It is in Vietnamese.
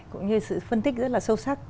cũng như sự phân tích rất là sâu sắc